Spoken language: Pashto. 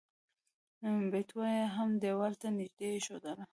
بټوه يې هم ديوال ته نږدې ايښودله.